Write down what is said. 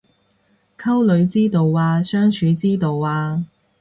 溝女之道啊相處之道啊